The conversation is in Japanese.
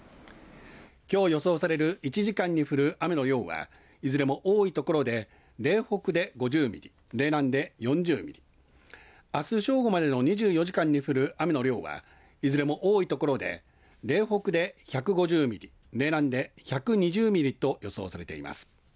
きょう予想される１時間に降る雨の量はいずれも多いところで嶺北で５０ミリ嶺南で４０ミリあす正午までの２４時間に降る雨の量はいずれも多いところで嶺北で１５０ミリ嶺南で１２０ミリと予想されています。